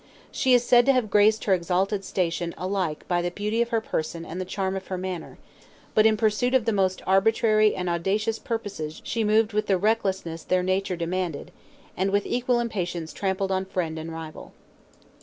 She is said to have graced her exalted station alike by the beauty of her person and the charm of her manner; but in pursuit of the most arbitrary and audacious purposes she moved with the recklessness their nature demanded, and with equal impatience trampled on friend and rival.